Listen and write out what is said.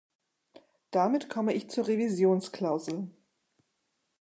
Damit komme ich zur Revisionsklausel.